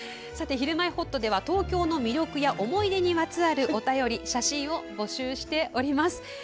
「ひるまえほっと」では東京の魅力や思い出にまつわるお便り、写真を募集しております。